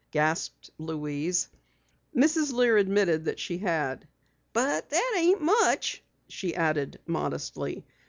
gasped Louise. Mrs. Lear admitted that she had. "But that ain't much," she added modestly.